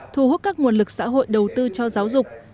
thu hút các nguồn lực xã hội đầu tư cho giáo dục